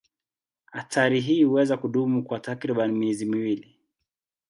Hatari hii huweza kudumu kwa takriban miezi miwili.